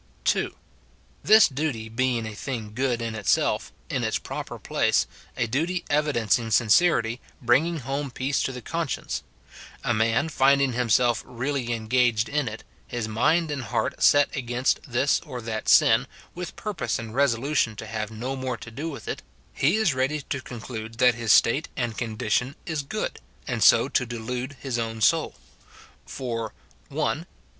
(2.) This duty being a thing good in itself, in its pro per place, a duty evidencing sincerity, bringing home peace to the conscience ; a man finding himself really engaged in it, his mind and heart set against this or that sin, with purpose and resolution to have no more to do with it, — he is ready to conclude that his state and con dition is good, and so to delude his own soul. For, — [1.